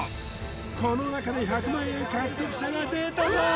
この中で１００万円獲得者が出たぞー！